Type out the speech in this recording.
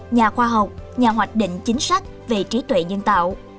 nhà khoa học nhà hoạch định chính sách về trí tuệ nhân tạo